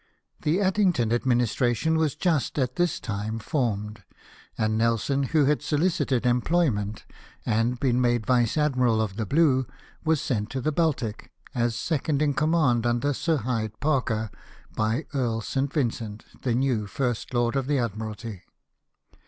The Addington administration was just at this time formed, and Nelson, who had sohcited em ployment, and been made vice admiral of the blue, was sent to the Baltic, as second in command, under Sir Hyde Parker, by Earl St. Vincent, the new First Lord of the Admiralty.